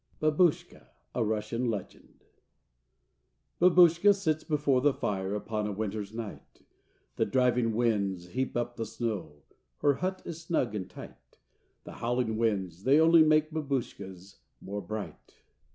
BABUSHKA (A Russian Legend) Babushka sits before the fire Upon a winter's night; The driving winds heap up the snow, Her hut is snug and tight; The howling winds, they only make Babushka's more bright!